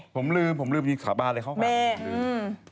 ผมลืมผมลืมนี่สาบานเลยเขาฝากมาให้